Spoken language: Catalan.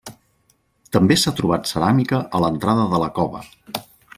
També s'ha trobat ceràmica a l'entrada de la cova.